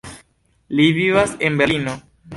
Li vivas en Berlino.